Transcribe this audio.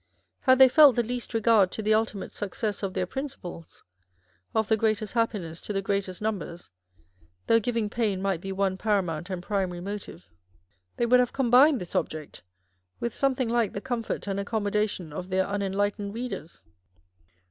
Had they felt the least regard to the ultimate success of their prin ciplesâ€" of " the greatest happiness to the greatest num bers," though giving pain might be one paramount and primary motive, they would have combined this object The New School of Reform. 259 with something like the comfort and accommodation of their unenlightened readers.